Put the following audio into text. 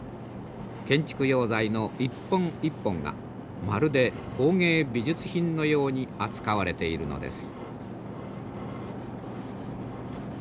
建築用材の一本一本がまるで工芸美術品のように扱われているのです。